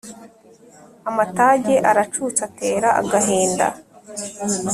Amatage aracutse atera agahinda